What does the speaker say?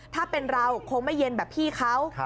ถ้าเป็นเราคงไม่เย็นแบบพี่เขา